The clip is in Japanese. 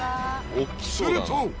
すると。